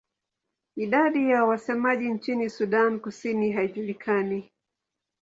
Idadi ya wasemaji nchini Sudan Kusini haijulikani.